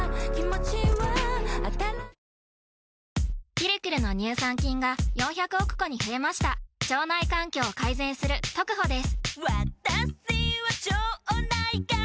「ピルクル」の乳酸菌が４００億個に増えました腸内環境を改善するトクホです